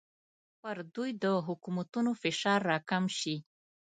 پر دوی د حکومتونو فشار راکم شي.